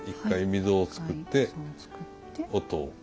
１回溝を作って音を。